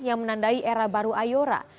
yang menandai era baru ayora